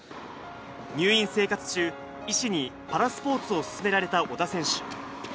入院生活中、医師にパラスポーツを勧められた小田選手。